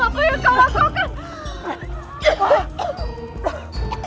apa yang kau lakukan